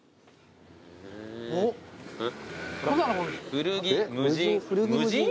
古着無人。